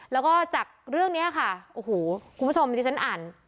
แล้วก็จากเรื่องนี้ค่ะโอ้โหคุณผู้ชมที่ฉันอ่าน